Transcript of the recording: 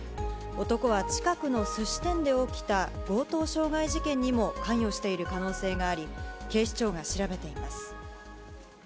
男は近くのすし店で起きた強盗傷害事件にも関与している可能性があり、警視庁が調べています。